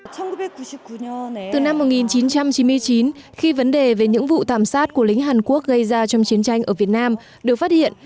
từ năm một nghìn chín trăm chín mươi chín khi vấn đề về những vụ thảm sát của lính hàn quốc gây ra trong chiến tranh ở việt nam được phát hiện